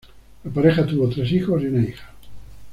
La pareja tuvo tres hijos y una hija.